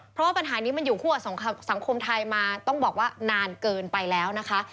เพราะว่าปัญหานี้มันอยู่คู่กับสังคมไทยมาต้องบอกว่านานเกินไปแล้วนะคะ